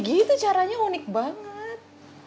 gitu caranya unik banget